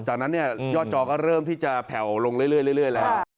จากนั้นยอดจอก็เริ่มที่จะแผ่วลงเรื่อยแล้ว